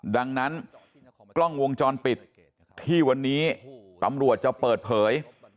ดังนั้นกล้องวงจรปิดที่วันนี้ตำรวจจะเปิดเผย